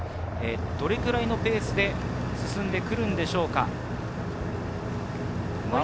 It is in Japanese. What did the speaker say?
どれくらいのペースで進んでくるのでしょうか。